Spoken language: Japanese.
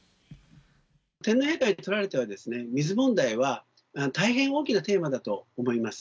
天皇陛下にとられては水問題は、大変大きなテーマだと思います。